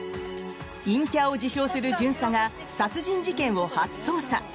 陰キャを自称する巡査が殺人事件を初捜査。